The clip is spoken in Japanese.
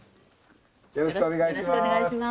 よろしくお願いします。